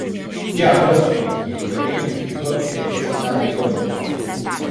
亚洲血蜱为硬蜱科血蜱属下的一个种。